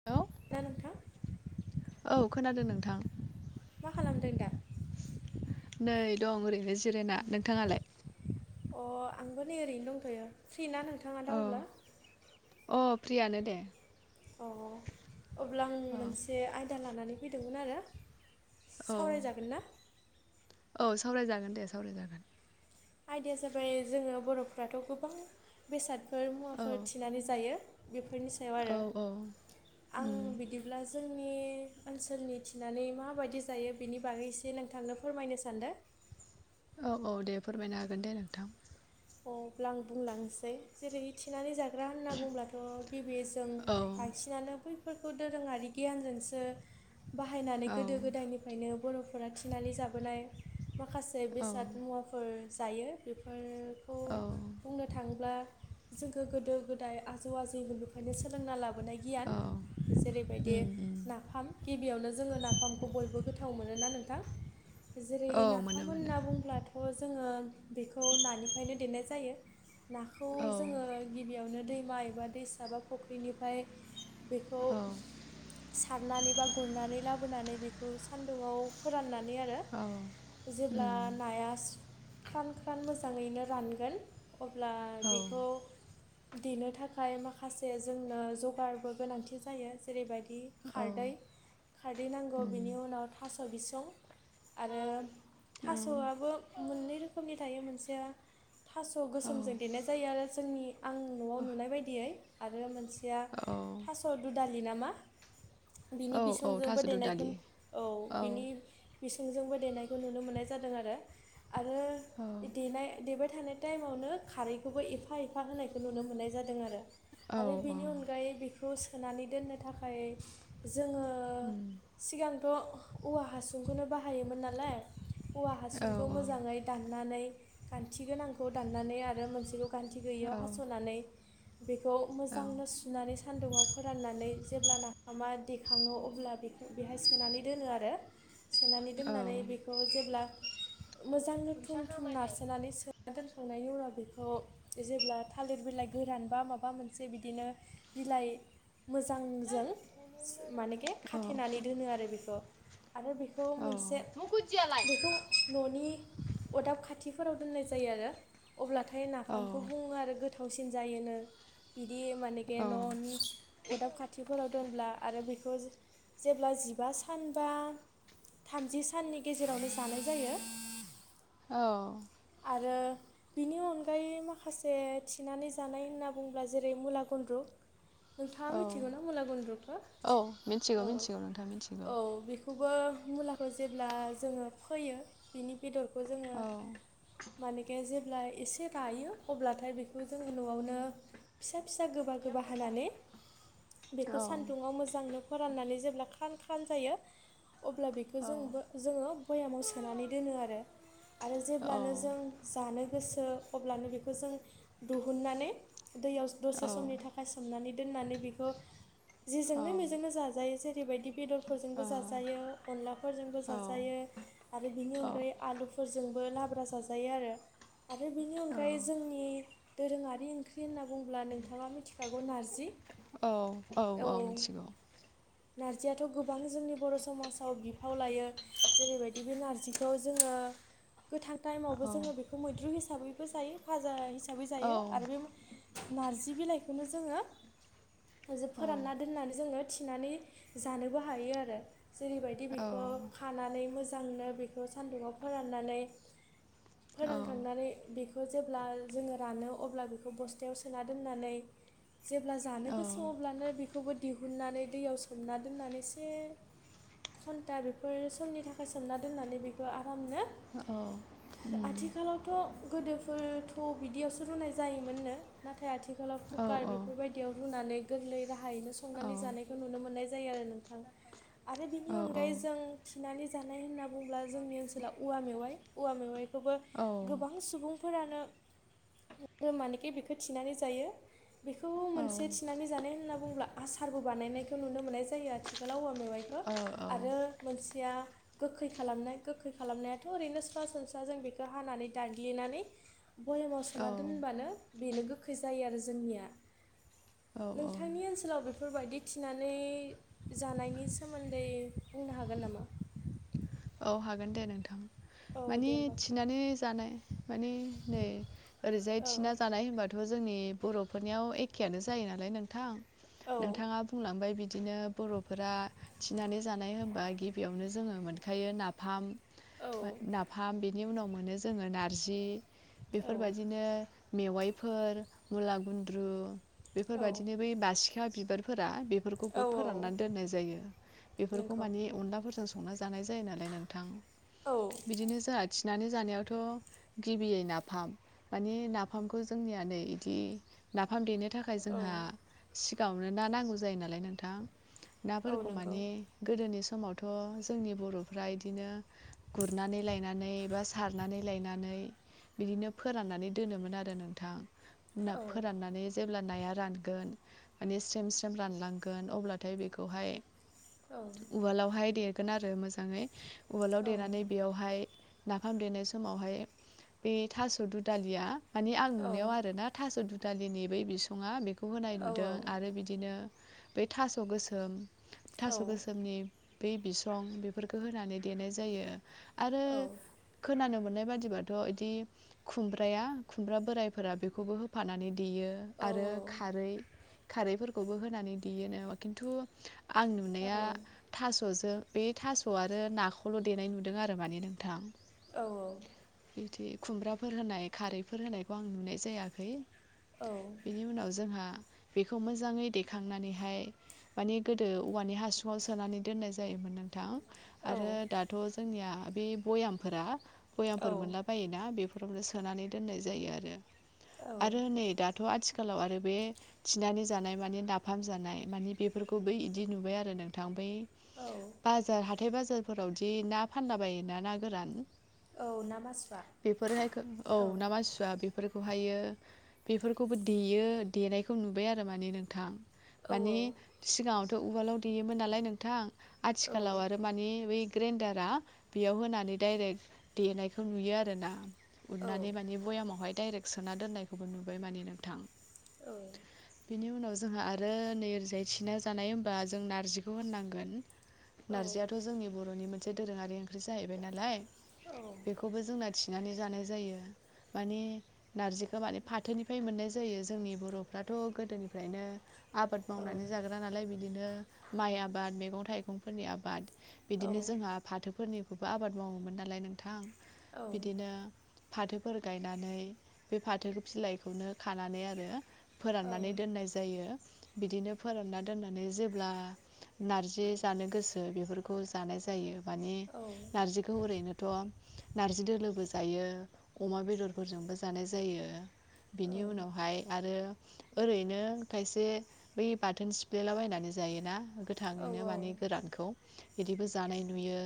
[unintelligible] दा नोंथां [unintelligible] औ खोनादों नोंथां मा खालामदों दा नै दं ओरैनो जिरायना नोंथाङालाय अ आंबो नै ओरैनो दंथ'यो फ्रि ना नोंथाङा दा औ अब्ला अ फ्रियानो दे अ अब्ला आं औ मोनसे आयदा लानानै फैदोंमोन आरो औ सावरायजागोन ना औ सावरायजागोन दे सावरायजागोन आयदाया जाबाय जोङो बर'फ्राथ' गोबां बेसादफोर औ मुवाफोर थिनानै जायो बेफोरनि सायाव औ आरो औ आं उम बिदि ब्ला जोंनि ओनसोलनि थिनानै माबायदि जायो बेनि बागै एसे नोंथांनो फोरमायनो सानदों औ औ दे फोरमायनो हागोन दे नोंथां अ अब्ला आं बुंलांसै जेरै थिनानै जाग्रा होनना बुंब्लाथ' गिबि जों औ बांसिनानो बैफोरखौ दोरोङारि गियानजोंसो बाहायनानै औ गोदो गोदायनिफ्रायनो बर'फोरा थिनानै जाबोनाय माखासे औ बेसाद मुवाफोर जायो बेफोर औ बुंनो थाङोब्ला जोंखौ गोदो गोदाय आजौ आजैमोननिफ्रायनो सोलोंना लाबोनाय गियान औ जेरैबायदि उम उम नाफाम गिबियावनो जोङो नाफामखौ बयबो गोथाव मोनो ना नोंथां जेरै औ मोनो नाफाम मोनो होनना बुंब्लाथ' जोङो बेखौ नानिफ्रायनो देनाय जायो नाखौ औ जोङो गिबियावनो दैमा एबा दैसा बा फुख्रिनिफ्राय बेखौ औ सारनानै बा गुरनानै लाबोनानै बेखौ सान्दुंआव फोराननानै आरो औ जेब्ला उम नाया ख्रान ख्रान मोजाङैनो रानगोन अब्ला औ बेखौ देनो थाखाय माखासे जोंनो जगारबो गोनांथि जायो जेरैबायदि औ खारदै खारदै नांगौ उम बिनि उनाव थास' बिसं आरो ओं थास'आबो मोननै रोखोमनि थायो मोनसे थास' गोसोमजों देनाय जायो आरो जोंनि आं न'आव नुनाय बायदियै आरो मोनसे खायसेया औ थास' दुदालि नामा बिनि औ औ बिसंजोंबो थास' देनायखौ दुदालि औ बिनि बिसुंजोंबो देनायखौ नुनो मोननाय जादों आरो आरो औ देनाय देबाय थानाय टाइमावनो खारैखौबो एफा एफा होनायखौ नुनो मोननाय जादों आरो औ आरो बेनि औ अनगायै बेखौ सोनानै दोननो थाखाय जोङो ओम सिगांथ' औवा हासुंखौनो बाहायोमोन नालाय औवा हासुंखौ मोजाङै दाननानै खान्थि गोनांखौ दान्नानै आरो मोनसेखौ गान्थि गैयियाव हास'नानै बेखौ मोजांनो सुनानै सान्दुंआव फोराननानै जेब्ला नफामा देखाङो अब्ला बेखौ बेहाय होनानै दोनो आरो सोनानै दोननानै बेखौ जेब्ला मोजांनो थुम थुम नारसोनानै खोबना दोनखांनायनि उनाव बेखौ जेब्ला थालिर बिलाइ गोरान बा माबा मोनसे बिदिनो बिलाइ मोजांजों सो मानेखे खाथेनानै दोनो आरो बेखौ आरो बे खौ मोनसे बेखौ न'नि अदाब खाथिफोराव दोननाय जायो आरो अब्लाथाय नाफामखौ बुङो आरो गो गोथावसिन जायोनो बिदि मानेखे न'नि अरदाब खाथिफोराव दोनब्ला आरो बेखौ जेब्ला जिबा सानबा थामजि साननि गेजेरावनो जानाय जायो औ आरो बिनि अनगायै माखासे थिनानै जानाय होनना बुंङोब्ला जेरै मुला गुन्द्रु नोंथाङा मिथिगौ ना मुला गुन्द्रुखौ मिथिगौ औ औ मिथिगौ नोंथां मिथिगौ औ बेखौ खौबो मुलाखौ जेब्ला जोङो फोयो बिनि बेदरखौ जोङो औ माने बे जेब्ला एसे रायो अब्लाथाय बेखौ जोंङो न'आवनो फिसा फिसा गोबा गोबा हानानै बेखौ औ सान्दुङाव मोजांनो फोराननानै जेब्ला खान खान जायो अब्ला बे बे औ जोंबो जोङो भयामाव सोनानै दोनो आरो आरो जेब्लानो औ जों जानो गोसो अब्लानो बेखौ जों दिहुुननानै दैयाव दसे औ समनि थाखाय सोमनानै दोननानै बेखौ औ जिजोंनो बेेजोंनो जाजायो जेरैबायदि बेदरफोरजोंबो जाजायो अनलाफोरजोंबो जाजायो आरो बेनि औ अनगायै आलुफोरजोंबो लाब्रा जाजायो आरो आरो बेनि अनगायै जोंनि दोरोङारि ओंख्रि होनना बुङोब्ला नोंथाङा मिथिखागौ नारजि औ औ औ मिथिगौ नारजियाथ' गोबां जोंनि बर' समाजाव बिफाव लायो जेरैबायदि बे नारजिखौ जोङो गोथां टाइमावबो औ जोङो बेखौ मैद्रु हिसाबैबो जायो भाजा हिसाबै औ जायो आरो बे नारजि बिलाइखौनो जोङो औ फोरानना दोननानै जोङो थिनानै जानोबो हायो आरो जेरैबायदि बिखौ खानानै मोजांनो बेखौ सान्दुंङाव फोराननानै फोरानखांनानै बेखौ जेब्ला जोङो रानो अब्ला बेखौ बस्थायाव सोना दोननानै जेब्ला जानो गोसो अब्लानो बिखौबो दिहुननानै दैयाव सोमना दोननानै एसे घन्टा बेफोर समनि थाखाय सोमना दोननानै बेखौ आरामनो औ आथिखालावथ' गोदोफोरथ' बिदियावसो रुनाय जायोमोननो नाथाय आथिखालाव कुकार बेफोरबायदियाव रुनानै गोरलै राहायैनो संनानै जानायखौ नुनो मोननाय जायो आरो नोंथां आरो बिनि अनगायै जों थिनानै जानाय होनना बुङोब्ला जोंनि ओनसोोलाव औवा मेवाइ औवा मेवाइखौबो गोबां सुबुं फोरानो दोन्नानै बेखौ थिनानै जायो बेखौ मोनसे थिनानै जानाय होनना बुङोब्ला आसारबो बानायनायखौ नुनो मोननाय जायो आथिखालाव मोवाइखौ औ आरो मोनसेआ गोखै खालामनाय' गोखै खालामनायाथ ओरैनो स्रा सनस्रा जों बेखौ हानानै दाग्लिनानै भयामाव सोना औ औ दोनबानो बेनो गोखै जायो आरो जोंनिया औ औ नोंथांनि ओनसोल लाव बेफोरबायदि थिनानै जानायनि सोमोन्दै बुंनो हागोन नामा? [inaudible] औ हागोन दे नोंथां औ मानि दे होमबा थिनानै जानाय माने नै ओरैजाय औ थिना जानाय होनबाथ' जोंनि बर'फोरनियाव एखेयानो जायो नालाय नोंथां औ नोंथाङा बुंलांबाय बिदिनो बर'फोरा थिनानै जानाय हबा गिबियावनो जोङो मोन खायो नाफाम औ नाफाम बिनि उनाव मोनो जोङो नारजि औ बेफोरबायाददिनो मेवाइफोर मुला गुन्द्रु औ बेफोरबायदिनो बै बासिखा बिबारफोरा बे फोरखौबो औ औ फोराननानै दोननाय जायो बेफोरखौ नंगौ मानि अनलाफोरजों संना जा जानाय जायो नालाय नोंथां औ बिदिनो जोंहा थिनानै जानायावथ गिबियै नाफाम माने नाफामखौ जोंनिया नै इदि नाफाम देनो थाखाय औ नंगौ औ जोंहा सिगाङावनो ना नांगौ जायो नालाय नोंथां नाफोरखौ माने गोदोनि समावथ' जोंनि बर'फ्रा इदिनो गुरनानै लायनानै बा सारनानै लायनानै बिदिनो फोराननानै दोनोमोन आरो नोंथां फोराननानै जेब्ला नाया रानगोन माने स्रेम स्रेम रानलांगोन अब्लाथाय बेखौहाय औ उवालावहाय देगोन आरो मोजाङै उवालाव देनानै बेयावहाय नाफाम देनाय समावहाय बे थास दुदालिया मानि आं नुनायाव आरोना थास दुथालिनि बै बिसङा बेखौ होनाय लुदों आरो बिदिनो बे थास गोसोम थास गोसोमनि बे बिस स्रं बेफोरखौ होनानै देनाय जायो आरो औ खोनानो मोननाय बादिबाथ बिदि खुमब्राया खुमब्रा बोरायफोरा बेखौबो हो फानानै देयो आरो खारै खारैफोरखौबो होनानै देयोनो खिन्थु आं नुनाया थासजों बे थास आरो नाखौल देनाय नुदों आरो माने नोंथां औ औ बिदि खुमब्राफोर होनाय खारैफोर होनायखौ आं नुनाय जायाखै बेनि उनाव जोंहा बेखौ मोजाङै दैेखांनानैहाय माने गोदो औवानि हासुङाव सोनानै दोननाय जायोमोन नों थां आरो नोंथां दाथ जोंनिया बे बयामफोरा बयामफोर मोनला बा जायोना बेफोरावनो सोनानै दोननाय जायो आरो औ आरो नै दा थ आथिखालाव आरो बे थिनानै जानाय माने नाफाम जानाय मानि बेफोरखौ बै इदि नुबाय आरो नोंथां बै औ बाजार हाथाय बाजारफोरावदि ना फानला बायोना ना गोरान औ ना मासुवा बेफोरहाय औ ना मासुआ बे बेफोरखौहायो बेफोरखौबो देयो देनायखौ नुबाय आरो माने नोंथां औ मानि सिगाङावथ उवालाव देयोमोन नालाय नोंथां औ औ आथिखालाव आरो मानि बै ग्रेन्डारा बेयाव होनानै डाइरेक्ट देनायखौ नुयो आरोना उननानै माने भयामावहाय डाइरेक सोना दोननायखौबो नुबाय माने नोंथां औ बिनि उनाव जोंहा आरो नै ओरजाय थिना जानाय होनोमबा जों नार्जिखौ होननांगोन औ औ नारजियाथ जोंनि बरनि मोनसे दोरोङारि ओंख्रि जाहैबाय नालाय बेखौबो जोंना थिनानै जानाय जायो माने नारजिखौ माने फाथोनिफ्राय मोननाय जायो जोंनि बरफ्राथ गोदोनिफ्रायनो आबाद मावनानै जाग्रा नालाय बिदिनो माइ आबाद मैगं थाइगंफोरनि आबाद बिदिनो जोंहा फाथोफोरनिखौबो आबाद मावोमोन नालाय नोंथां बिदिनो फाथोफोर गायनानै बे फाथो बिलाइखौनो खानानै आरो फोराननानै दोननाय जायो बिदिनो फोरानना दोननानै जेब्ला नारजि जानो गोसो बेफोरखौ जानाय जायो माने नारजि बेखौ ओरैनोथ नारजि दोलोबो जायो अमा बेदरफोरजोंबो जानाय जायो बेनि उनावहाय आरो ओरैनो खायसे बै बाथोन सिफ्लेलाबायनानै जायोना औ गोथाङैनो माने गोरानखौ बिदिबो जानाय नुयो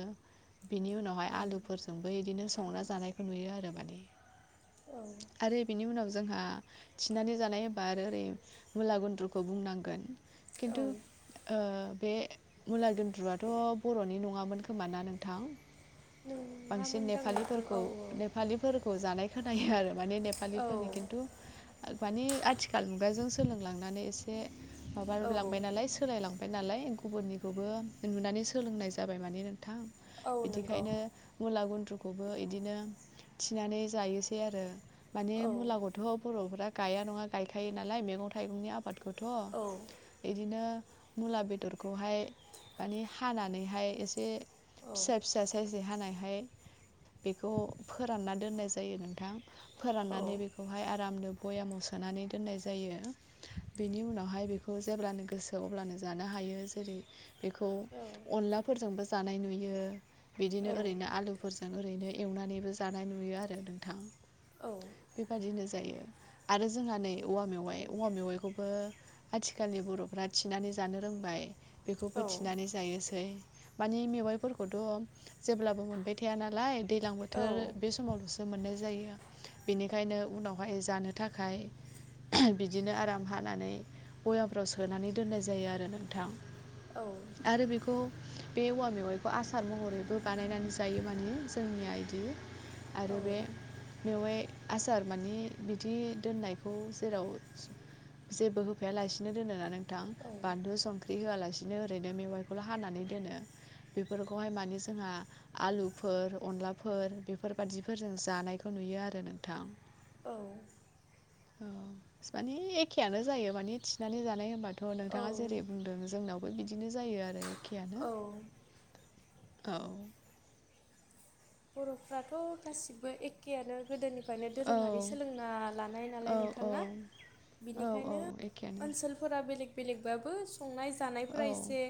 बिनि औ उनावहाय आलुफोरजोंबो इदिनो संना जानायखौ नुयो आरो माने औ आरो बेनि उनाव जोंहा थिनानै जानाय हाबा आरो ओरै मुला गुन्द्रुखौ बुंनांगोन औ खिन्थु बे मुला गुन्द्रुआथ' बर'नि नङामोन खोमा ना नोंथां बांसिन नङामोनदां नोंथां नेपालिफोरखौ औ नेपालिफोरखौ जानाय खोनायो आरो माने औ नेपालिफोरनि खिन्थु मानि आथिखाल मुगाजों सोलोंलांनानै एसे माबा लांबाय औ नालाय सोलायलांबाय नालाय गुबुननिखौबो नुनानै सोलोंनाय जाबाय माने नोंथां औ नंगौ बिदिखायनो मुला गुन्द्रुखौबो इदिनो थिनानै जायोसै आरो माने औ मुला गु थ बरफोरा गाया नङा गायखायो नालाय मैगं थाइगंनि आबादखौथ औ इदिनो मुला बेदरखौहाय माने हानानैहाय एसे औ फिसा फिसा साइज हानाय फाय बेखौ फोरानना दोन्नाय जायो नोंथां औ फोराननानै बेखौ बेखौहाय आरामनो भयामाव सोनानै दोननाय जायो बेनि उनावहाय बेखौ जेब्लानो गोसो अब्लानो जानो हायो जेरै बेखौ अनलाफोरजोंबो जानाय नुयो बिदिनो औ ओरैनो लोगोफोरजों ओरैनो एवनानैबो जानाय नुयो आरो नोंथां औ बेबादिनो जायो आरो जोंहा नै औवा मेवाइ औवा मेवाइखौबो आथिखालनि बर'फ्रा थिनानै जानो रोंबाय बेखौबो थिनानै जायोसै मानिे मेवाइफोरखौथ' जेब्लाबो बाय थाया नालाय दैजलां बोथोर बे सम समावल'सो मोननाय जायो बेनिखायनो उनावहाय जानो थाखाय बिदिनो आराम हानानै अवफ्राव सोनानै दोननाय जायो आरो नोंथां औ आरो बेखौ बे औवा मेवाइखौ आसार महरैबो बानायनानै जायो माने जोंनि आइदि आरो बे बेवहाय आसार माने बिदि दोननायखौ जेराव जेबो होफायालासिनो दोन ना नोंथां बानलु सम फख्रि होआलासिनो ओरैनो मेवाइखौल' हानानै दोनो बेफोरखौहाय माने जोंहा आलुफोर अनलाफोर बेफोरबादिफोर जों जानायखौ नुयो आरो नोंथां औ औ माने एखेयानो जायो माने थिनानै जानाय होनोमबा थ' औ नोंथाङा जेरै बुंदों जोंनावबो बिदिनो जायो आरो एखेआानो औ औ बर'फ्राथ' गासिबो एखेआनो गोदोनिफ्रायनो औ दोरोङारि सोलोंना लानाय नालाय औ नोंथां औ औ बिनिखायनो एखेयानो ओनसोलफोरा बेलेग बेलेगबाबो संनाय औ जानायफोरा एसे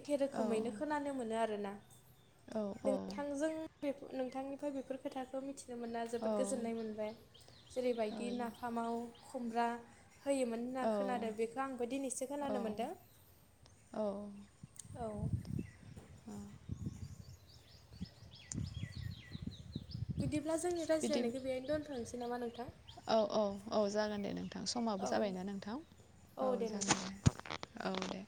एखे औ रोखोमैनो खोनानो मोनो आरोना औ नोंथांजों नोंथांनिफ्राय बेफोर खोथाखौ मिथि मोनना जोबोद गोजोननाय औ मोनबाय जेरैबायदि नाफामाव खुमब्रा होयोमोन होनना खोनादों औ बेखौ आंबो दिनैसो खोनानो मोन्दों औ औ बिदिब्ला जोंनि बिदि रायज्लायनायखौ बेहनो दोन्थ'नोसै नामा नोंथां औ औ औ जागोन दे नोंथां समाबो औ जाबायनाा नोंथां औ दे जागोन नोंथां दे औ दे